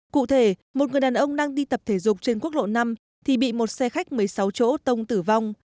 cụ thể một người đàn ông đang đi tập thể dục trên quốc lộ năm thì bị một xe khách một mươi sáu chỗ tông tử vong